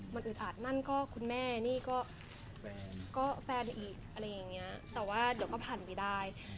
มันอึดอัดนั่นก็คุณแม่นี่ก็แฟนอีกอะไรอย่างเงี้ยแต่ว่าเดี๋ยวก็ผ่านไปได้